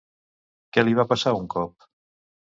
Què li va passar un cop?